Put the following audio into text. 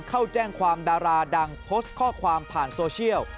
เข้าแจ้งความดาราดังโพสต์ข้อความผ่านโซเชียล